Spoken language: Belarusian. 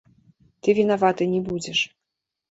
Ты вінаваты не будзеш.